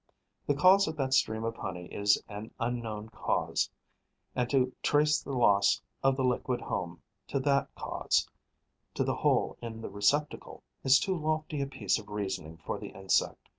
The cause of that stream of honey is an unknown cause; and to trace the loss of the liquid home to that cause, to the hole in the receptacle, is too lofty a piece of reasoning for the insect.